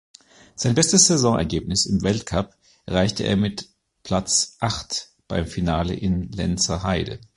Sein bestes Saisonergebnis im Weltcup erreichte er mit Platz acht beim Finale in Lenzerheide.